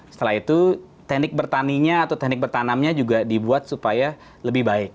setelah itu teknik bertaninya atau teknik bertanamnya juga dibuat supaya lebih baik